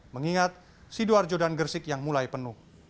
mengingat sidoarjo dan gersik yang mulai penuh